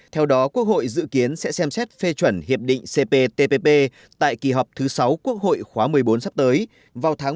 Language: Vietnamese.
theo đó quốc hội dự kiến sẽ xem xét phê chuẩn hiệp định cptpp tại kỳ họp thứ sáu quốc hội khóa một mươi bốn sắp tới vào tháng một mươi một mươi một hai nghìn một mươi tám